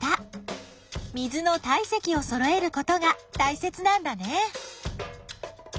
水の体積をそろえることがたいせつなんだね！